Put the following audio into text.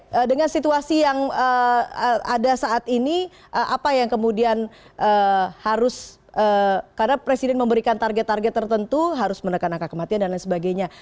oke dengan situasi yang ada saat ini apa yang kemudian harus karena presiden memberikan target target tertentu harus menekan angka kematian dan lain sebagainya